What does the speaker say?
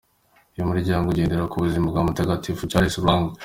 Uyu muryango ugendera ku buzima bwa Mutagatifu Charles Lwanga.